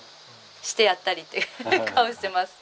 してやったりって顔してます。